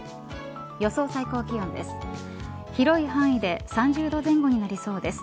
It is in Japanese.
予想最高気温です。